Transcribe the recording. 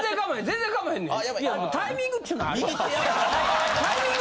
全然かまへんねん。